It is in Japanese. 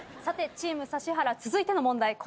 さてチーム指原続いての問題